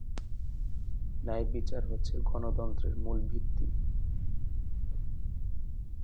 ন্যায়বিচার হচ্ছে গণতন্ত্রের মূল ভিত্তি।